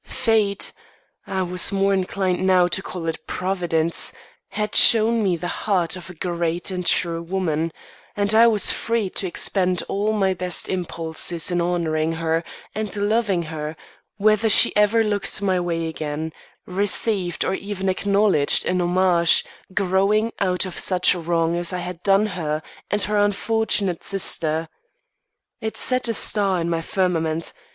Fate I was more inclined now to call it Providence had shown me the heart of a great and true woman; and I was free to expend all my best impulses in honouring her and loving her, whether she ever looked my way again, received or even acknowledged a homage growing out of such wrong as I had done her and her unfortunate sister. It set a star in my firmament.